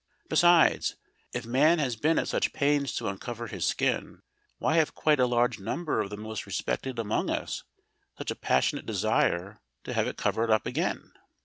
Besides, if man has been at such pains to uncover his skin, why have quite a large number of the most respected among us such a passionate desire to have it covered up again?